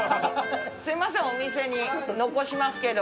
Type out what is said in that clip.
すみませんお店に残しますけど。